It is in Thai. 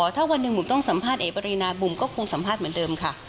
ถ้าวันหนึ่งบุ๋มต้องสัมภาษณเอกปรินาบุ๋มก็คงสัมภาษณ์เหมือนเดิมค่ะ